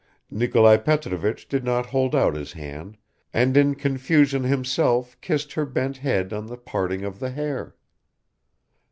Nikolai Petrovich did not hold out his hand and in confusion himself kissed her bent head on the parting of the hair.